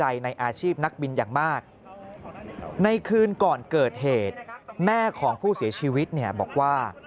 อย่างมากในคืนก่อนเกิดเหตุแม่ของผู้เสียชีวิตบอกว่า